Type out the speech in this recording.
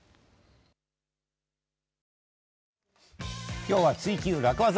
今日は「ツイＱ楽ワザ」。